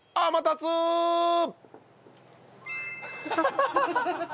ハハハハ！